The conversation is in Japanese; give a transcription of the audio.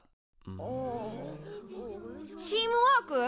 ああチームワーク？